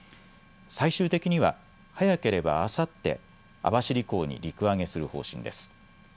最終的には早ければあさって網走港に陸揚げする方針です。